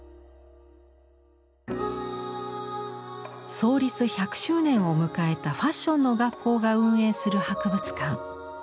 創立１００周年を迎えたファッションの学校が運営する博物館。